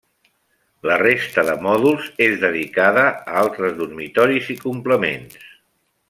La resta de mòduls és dedicada altres dormitoris i complements.